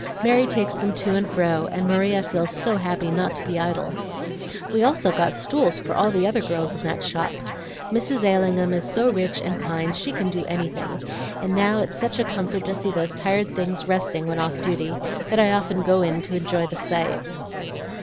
Mary takes them to and fro, and Maria feels so happy not to be idle. We also got stools, for all the other girls in that shop. Mrs. Allingham is so rich and kind she can do anything, and now it's such a comfort to see those tired things resting when off duty that I often go in and enjoy the sight."